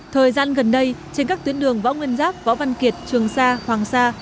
thời gian gần đây trên các tuyến đường võ nguyên giáp võ văn kiệt trường sa hoàng sa